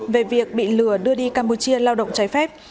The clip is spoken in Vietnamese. về việc bị lừa đưa đi campuchia lao động trái phép